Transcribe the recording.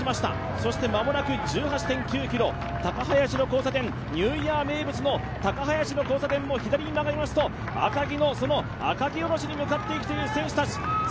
そして間もなく１８．９ｋｍ、高林の交差点、ニューイヤー名物の高林の交差点を右に曲がりますと赤城の赤城おろしに向かっていくという選手たち。